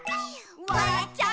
「わらっちゃう」